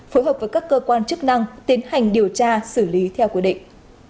phối hợp với các cơ quan chức năng tiến hành điều tra xử lý theo quy định